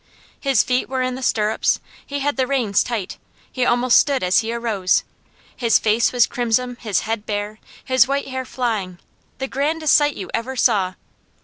His feet were in the stirrups, he had the reins tight, he almost stood as he arose, his face was crimson, his head bare, his white hair flying, the grandest sight you ever saw.